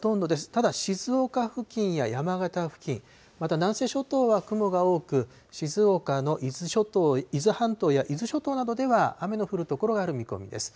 ただ静岡付近や山形付近、また南西諸島は雲が多く、静岡の伊豆諸島、伊豆半島や伊豆諸島などでは雨の降る所がある見込みです。